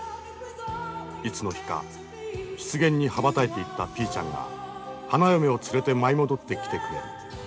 いつの日か湿原に羽ばたいていったピーちゃんが花嫁を連れて舞い戻ってきてくれる。